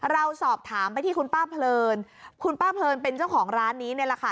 เราสอบถามไปที่คุณป้าเพลินคุณป้าเพลินเป็นเจ้าของร้านนี้นี่แหละค่ะ